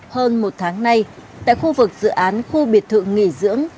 hơn một tháng nay tại khu vực dự án khu biệt thự nghỉ dưỡng